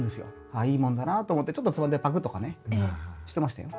ああいいもんだなと思ってちょっとつまんでパクッとかねしてましたよ。